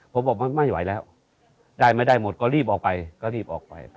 ผมบอกว่าไม่ไหวแล้วได้ไหมได้หมดก็รีบออกไป